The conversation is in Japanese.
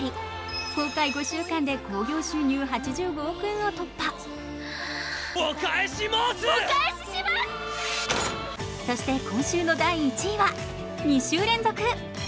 公開５週間で興行収入８５億円を突破そして今週の第１位は２週連続！